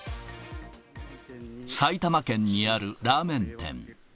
埼玉県にあるラーメン店。